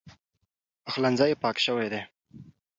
پخلنځی پاک شوی دی.